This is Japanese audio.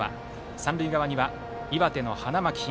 三塁側には、岩手の花巻東。